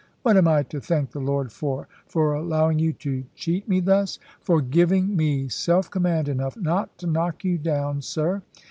"What am I to thank the Lord for? For allowing you to cheat me thus?" "For giving me self command enough not to knock you down, sir."